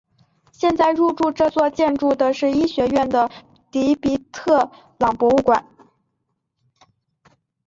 现在入驻这座建筑的是医学院的迪皮特朗博物馆。